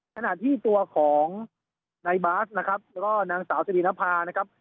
ขณะที่ตัวของนายบาสนะครับแล้วก็นางสาวสิรินภานะครับ